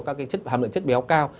các hàm lượng chất béo cao